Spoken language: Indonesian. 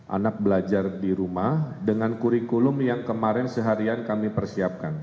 anak belajar di rumah dengan kurikulum yang kemarin seharian kami persiapkan